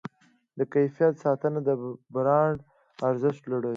د کیفیت ساتنه د برانډ ارزښت لوړوي.